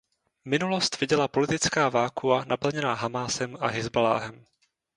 Minulost viděla politická vakua naplněná Hamásem a Hizballáhem.